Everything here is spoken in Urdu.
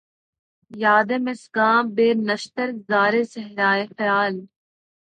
یادِ مژگاں بہ نشتر زارِ صحراۓ خیال